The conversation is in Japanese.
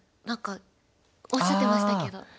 何かおっしゃってましたけど。